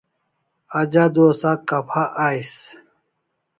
Aj adua se kapha ais